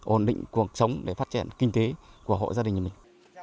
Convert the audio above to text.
ổn định cuộc sống để phát triển kinh tế của hộ gia đình nhà mình